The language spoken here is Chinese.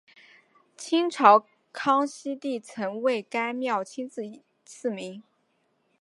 清朝康熙帝曾为该庙亲自赐名。